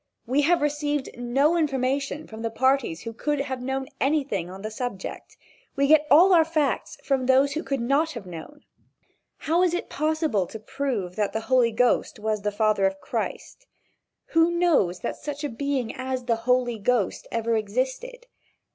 We have received no information from the parties who could have known anything on the subject. We get all our facts from those who could not have known. How is it possible to prove that the Holy Ghost was the father of Christ? Who knows that such a being as the Holy Ghost ever existed?